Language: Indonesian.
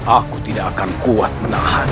aku tidak akan kuat menahan